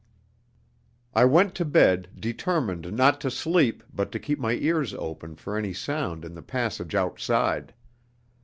I went to bed determined not to sleep, but to keep my ears open for any sound in the passage outside.